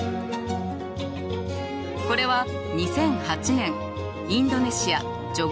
これは２００８年インドネシア・ジョグ